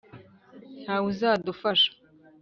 ntawe uzadufasha